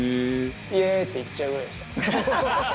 イェイって言っちゃうぐらいでした。